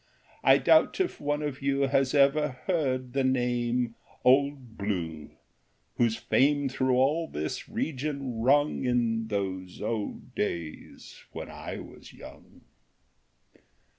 I doubt if one of you Has ever heard the name " Old Blue," Whose fame through all this region rung In those old days when I was young